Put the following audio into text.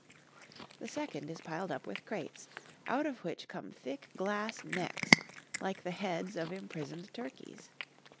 The second is piled up with crates, out of which come thick glass necks like the heads of imprisoned turkeys.